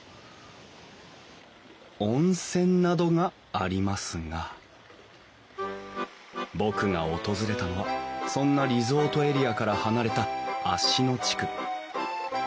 温泉などがありますが僕が訪れたのはそんなリゾートエリアから離れた芦野地区。